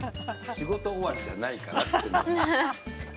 仕事終わりじゃないからって言ってるの。